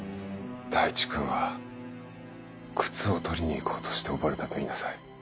大地君は靴を取りに行こうとして溺れたと言いなさい。